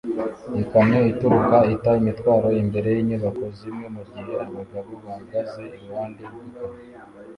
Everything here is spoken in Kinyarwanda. Ikamyo itukura ita imitwaro imbere yinyubako zimwe mugihe abagabo bahagaze iruhande rwikamyo